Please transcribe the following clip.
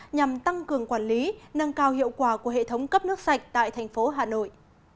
nhằm tăng cường quản lý nâng cao hiệu quả của hệ thống cấp nước sạch tại thành phố hà nội